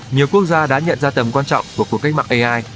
nhiều quốc gia đã nhận ra tầm quan trọng của cuộc cách mạng ai